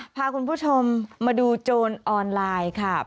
พาคุณผู้ชมมาดูโจรออนไลน์ค่ะ